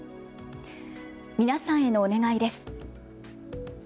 皆さんへのお願いです。